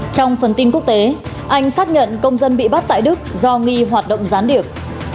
trong phần tin quốc tế anh xác nhận công dân bị bắt tại đức do nghi hoạt động gián điệp